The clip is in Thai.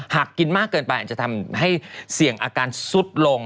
หากกินมากเกินไปอาจจะทำให้เสี่ยงอาการสุดลง